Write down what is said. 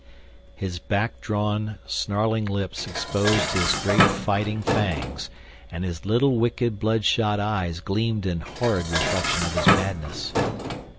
His back drawn, snarling lips exposed his great fighting fangs, and his little, wicked, blood shot eyes gleamed in horrid reflection of his madness.